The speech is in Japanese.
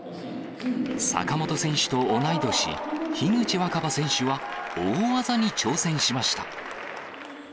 坂本選手と同い年、樋口新葉選手は、大技に挑戦しました。